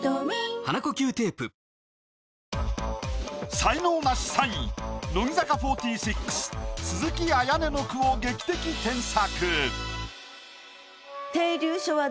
才能ナシ３位乃木坂４６鈴木絢音の句を劇的添削。